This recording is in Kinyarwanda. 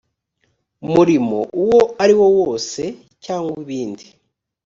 murimo uwo ariwo wose cyangwa ibindi